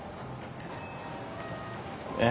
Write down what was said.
え？